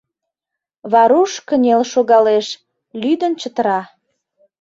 Варуш кынел шогалеш, лӱдын чытыра.